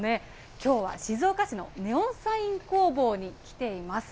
きょうは静岡市のネオンサイン工房に来ています。